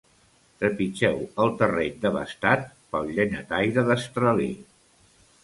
Trepitgeu el terreny devastat pel llenyataire destraler.